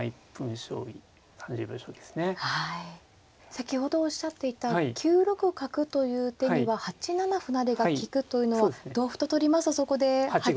先ほどおっしゃっていた９六角という手には８七歩成が利くというのは同歩と取りますとそこで８五歩と。